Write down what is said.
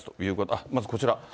あっ、まずこちら。